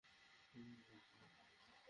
মেই, শান্ত হও!